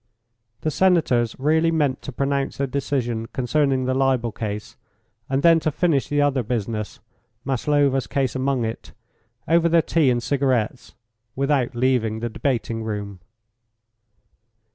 The Senators really meant to pronounce their decision concerning the libel case, and then to finish the other business, Maslova's case among it, over their tea and cigarettes, without leaving the debating room.